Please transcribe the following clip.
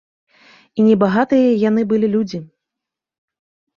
І небагатыя яны былі людзі.